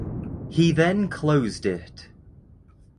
He then closed it.